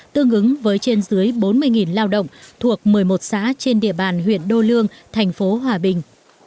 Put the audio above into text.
tương ứng với trên dưới bốn mươi lao động thuộc một mươi một xã trên địa bàn huyện đô lương thành phố hòa bình